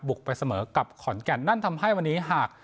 ไปเสมอกับขอนแก่นนั่นทำให้วันนี้หาก